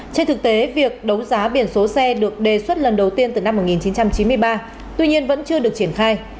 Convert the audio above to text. trên thực tế việc đấu giá biển số xe được đề xuất lần đầu tiên từ năm một nghìn chín trăm chín mươi ba tuy nhiên vẫn chưa được triển khai